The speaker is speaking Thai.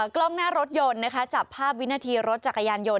กล้องหน้ารถยนต์นะคะจับภาพวินาทีรถจักรยานยนต